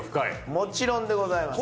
もちろんでございます。